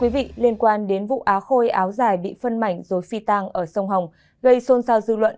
báo giải bị phân mảnh rồi phi tăng ở sông hồng gây xôn xao dư luận